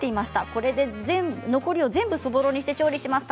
これで残り全部をそぼろにして調理します。